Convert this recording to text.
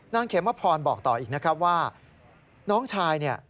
เขมพรบอกต่ออีกนะครับว่าน้องชายเนี่ย